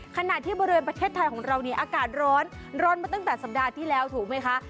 ขณะที่บริเวณประเทศไทยของเราเนี่ยอากาศร้อนร้อนมาตั้งแต่สัปดาห์ที่แล้วถูกไหมคะ